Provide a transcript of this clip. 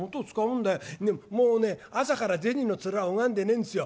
「もうね朝から銭の面拝んでねえんですよ。